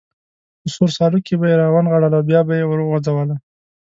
په سور سالو کې به یې را ونغاړله او بیا به یې وروغورځوله.